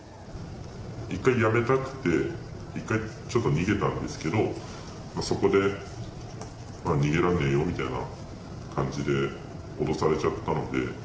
１回辞めたくて、１回ちょっと逃げたんですけど、そこで逃げられねぇよみたいな感じで、脅されちゃったので。